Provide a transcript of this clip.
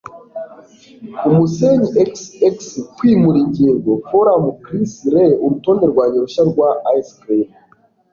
umusenyi xx Kwimura Ingingo | Forum chris Re: Urutonde rwanjye rushya rwa Ice Cream!